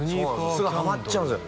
すぐハマっちゃうんですよ